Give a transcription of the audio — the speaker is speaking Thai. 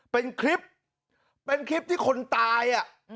เป็นคลิปเป็นคลิปที่คนตาย